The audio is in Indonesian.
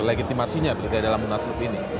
legitimasinya begitu dalam munas luar biasa ini